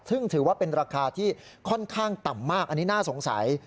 ซึ่งถือว่าเป็นราคาที่ค่อนข้างต่ำมากอันนี้น่าสงสัย